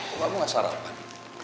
kok kamu gak sarapan